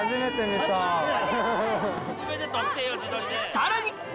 さらに！